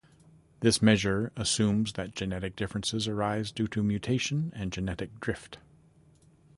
This measure assumes that genetic differences arise due to mutation and genetic drift.